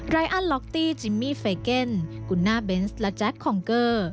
อันล็อกตี้จิมมี่เฟเกนกุณาเบนส์และแจ๊คคองเกอร์